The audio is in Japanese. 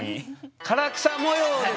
唐草模様で。